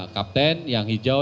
kapten yang hijau